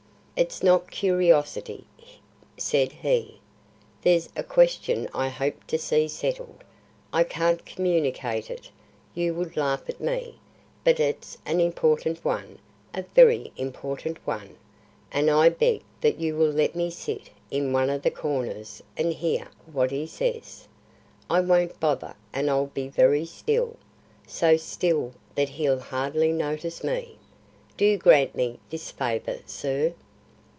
"It's not curiosity," said he. "There's a question I hope to see settled. I can't communicate it you would laugh at me; but it's an important one, a very important one, and I beg that you will let me sit in one of the corners and hear what he says. I won't bother and I'll be very still, so still that he'll hardly notice me. Do grant me this favour, sir."